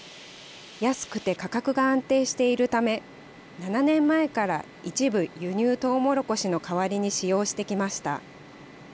安くて価格が安定しているため、７年前から一部、輸入トウモロコシの代わりに使用してきました。